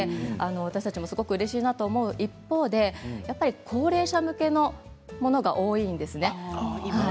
私たちもうれしいなと思う一方で高齢者向けのものが多いんですね。